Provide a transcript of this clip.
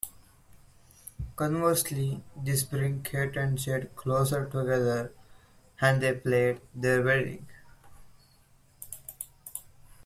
Conversely, this brings Kate and Jed closer together and they plan their wedding.